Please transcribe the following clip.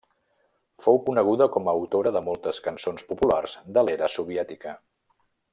Fou coneguda com a autora de moltes cançons populars de l'era soviètica.